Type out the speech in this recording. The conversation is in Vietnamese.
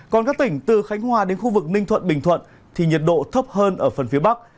còn các tỉnh từ khánh hòa đến khu vực ninh thuận bình thuận thì nhiệt độ thấp hơn ở phần phía bắc